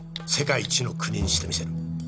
世界一の国にしてみせる